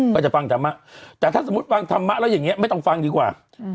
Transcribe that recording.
ก็จะฟังธรรมะแต่ถ้าสมมุติฟังธรรมะแล้วอย่างนี้ไม่ต้องฟังดีกว่า